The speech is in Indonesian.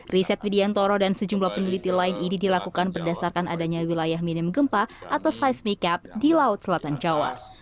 riset widiantoro dan sejumlah peneliti lain ini dilakukan berdasarkan adanya wilayah minim gempa atau seismi cap di laut selatan jawa